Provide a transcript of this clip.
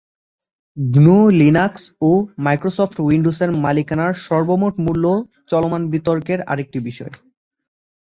গ্নু/লিনাক্স ও মাইক্রোসফট উইন্ডোজের মালিকানার সর্বমোট মূল্য চলমান বিতর্কের আরেকটি বিষয়।